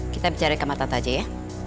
kita bicara di kamar tante aja ya